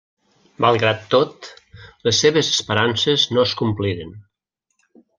Malgrat tot, les seves esperances no es compliren.